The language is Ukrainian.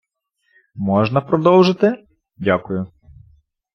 Можна продовжити? Дякую.